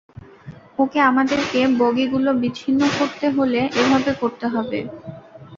ওকে, আমাদেরকে বগিগুলো বিচ্ছিন্ন করতে হলে এভাবে করতে হবে।